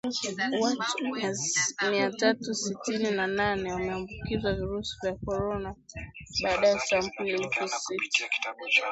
Watu mia tatu sitini na nane wameambukizwa virusi vya corona baada ya sampuli elfu sita